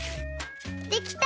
できた！